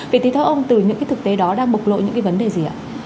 vậy thì thưa ông từ những thực tế đó đang bộc lộ những vấn đề gì ạ